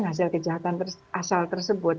hasil kejahatan asal tersebut